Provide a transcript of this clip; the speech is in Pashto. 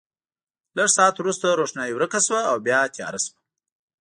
لږ ساعت وروسته روښنايي ورکه شوه او بیا تیاره شوه.